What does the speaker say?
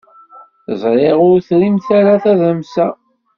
Ẓriɣ ur trimt ara tadamsa.